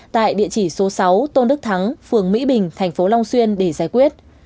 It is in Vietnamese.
tại địa chỉ số sáu tôn đức thắng phường mỹ bình thành phố long xuyên để giải quyết